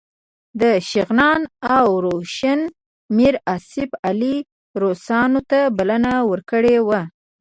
د شغنان او روشان میر آصف علي روسانو ته بلنه ورکړې وه.